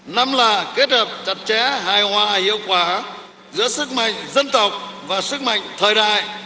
năm là kết hợp chặt chẽ hài hòa hiệu quả giữa sức mạnh dân tộc và sức mạnh thời đại